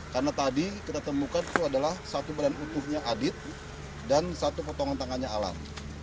karena tadi kita temukan itu adalah satu badan utuhnya adit dan satu kotongan tangannya alan